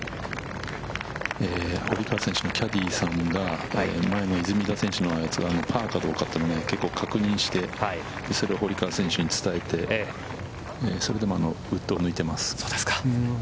堀川選手のキャディーさんが、前の出水田選手のやつがパーかどうかというのを結構確認して、それを堀川選手に伝えて、それでもウッドを抜いています。